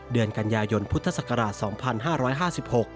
เดือนกันยายนพุทธศักราช๒๕๕๖